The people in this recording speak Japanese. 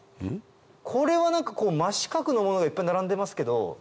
これは何か真四角のものがいっぱい並んでますけど。